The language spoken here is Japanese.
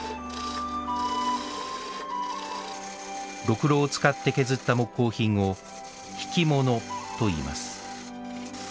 ろくろを使って削った木工品を挽物といいます。